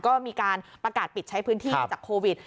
ก็มีการประกาศปิดใช้พื้นที่จากโควิด